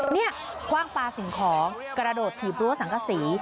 นี่คว่างปลาสิ่งของกระโดดถีบรั้วสังกษี